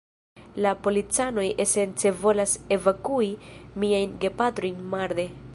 La policanoj esence volas evakui miajn gepatrojn marde.